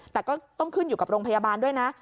แต่ก็ต้องขึ้นอยู่กับโรงพยาบาลด้วยนะ